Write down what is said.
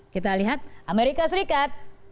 kita lihat amerika serikat